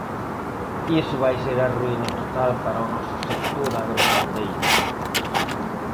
Iso vai ser a ruína total para o noso sector agrogandeiro.